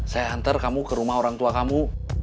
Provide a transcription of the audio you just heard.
saya antar kamu ke rumah orang tua kamu